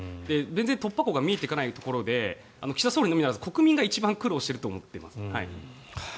全然突破口が見えていかないところで岸田総理のみならず国民が一番苦労していると思っています。